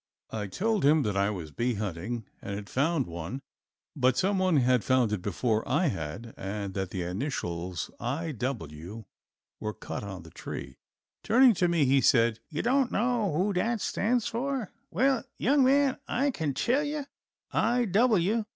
I told him that I was bee hunting and had found one but some one had found it before I had, and that the initials I. W. were cut on the tree. Turning to me he said, "You don't know who that stands for? Well, young man, I kin tell you. I. W.